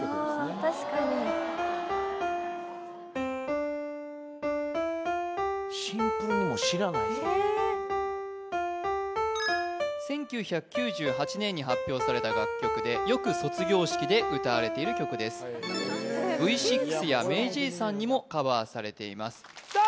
確かにシンプルにもう知らない１９９８年に発表された楽曲でよく卒業式で歌われている曲ですＶ６やＭａｙＪ．さんにもカバーされていますさあ